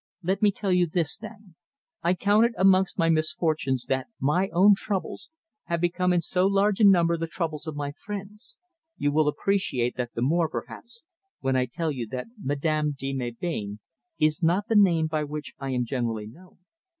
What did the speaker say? Let me tell you this, then. I count it amongst my misfortunes that my own troubles have become in so large a manner the troubles of my friends. You will appreciate that the more, perhaps, when I tell you that Madame de Melbain is not the name by which I am generally known.